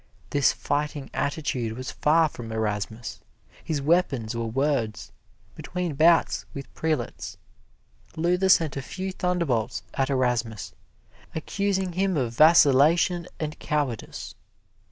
This fighting attitude was far from Erasmus his weapons were words. Between bouts with prelates, Luther sent a few thunderbolts at Erasmus, accusing him of vacillation and cowardice.